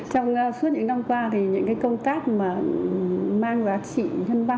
trong suốt những năm qua những công tác mang giá trị hơn ba mươi